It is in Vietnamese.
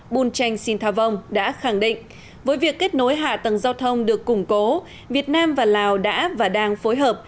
bùn chanh sin tha vong đã khẳng định với việc kết nối hạ tầng giao thông được củng cố việt nam và lào đã và đang phối hợp